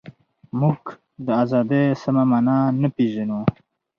موږ د ازادۍ سمه مانا نه پېژنو.